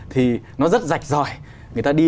thì nó rất rạch ròi người ta đi